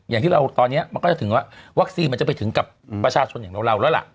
อย่างที่เราตอนนี้มันก็จะถึงว่าวัคซีนมันจะไปถึงกับประชาชนอย่างเราแล้วล่ะ